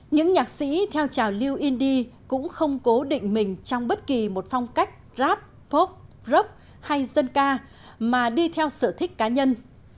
những nhạc sĩ theo trào lưu indi cũng không cố định mình trong bất kỳ một phong cách grab pop broc hay dân ca mà đi theo sở thích cá nhân